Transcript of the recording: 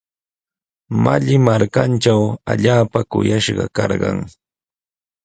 Malli markantraw allaapa kuyashqa karqan.